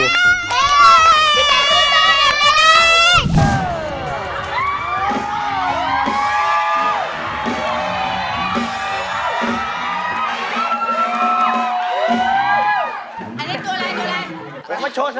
พี่แซคไปโชว์แบบไหน